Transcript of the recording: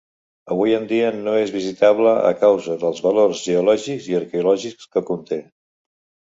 Avui en dia no és visitable a causa dels valors geològics i arqueològics que conté.